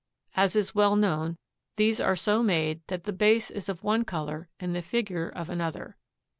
As is well known, these are so made that the base is of one color and the figure of another.